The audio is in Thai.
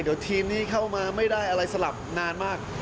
เดี๋ยวทีมนี้เข้ามาไม่ได้อะไรสลับนานมาก